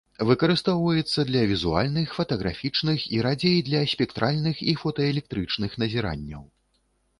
Выкарыстоўваецца для візуальных, фатаграфічных і, радзей, для спектральных і фотаэлектрычных назіранняў.